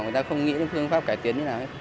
người ta không nghĩ phương pháp cải tiến như nào